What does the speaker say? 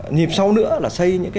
nhịp sau nữa là xây những cái